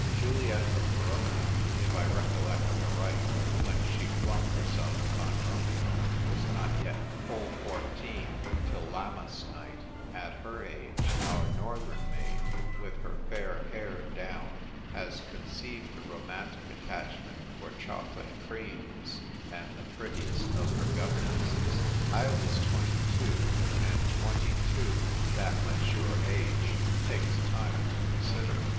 Juliet of Verona, if I recollect aright, when she flung herself upon Romeo, was not yet full fourteen till Lammas night ; at her age our northern maid, with her fair hair down, has conceived a romantic attachment for chocolate creams and the prettiest of her governesses. I was twenty two; and twenty two, that mature age, takes time to consider.